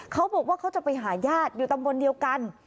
เขาบอกว่าเขาจะไปหาญาติอยู่ตำบลเดียวกัน